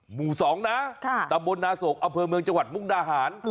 หมู่๒นะตำบลนาศกอำเภอเมืองจังหวัดมุกดาหาร